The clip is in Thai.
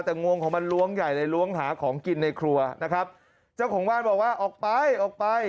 แต่งวงของมันล้วงใหญ่เลยล้วงหาของกินในครัวนะครับเจ้าของบ้านบอกว่าออกไปออกไป